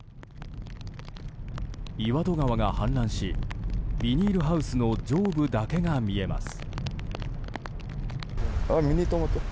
岩戸川が氾濫しビニールハウスの上部だけが見えます。